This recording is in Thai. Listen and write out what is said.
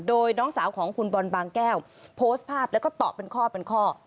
โดยน้องสาวของคุณบอลบางแก้วโพสต์ภาพแล้วก็ตอบเป็นข้อเป็นข้อ